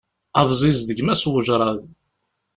Abẓiz d gma-s n wejraḍ.